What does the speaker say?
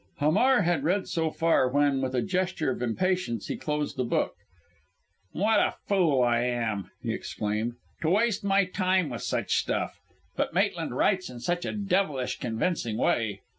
Hamar had read so far when, with a gesture of impatience, he closed the book. "What a fool I am!" he exclaimed, "to waste my time with such stuff!... But Maitland writes in such a devilish convincing way!